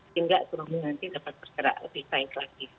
hingga kemudian nanti dapat bergerak lebih baik lagi